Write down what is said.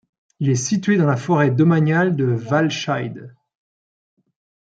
Il est situé dans la forêt domaniale de Walscheid.